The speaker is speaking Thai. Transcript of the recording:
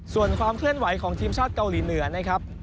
ส่วนความเคลื่อนไหวของทีมชาติเกาหลีเหนือนะครับ